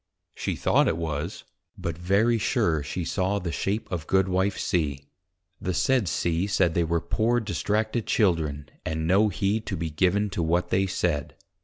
_ she thought it was; but very sure she saw the shape of Goodwife C. The said C. said, they were poor distracted Children, and no heed to be given to what they said.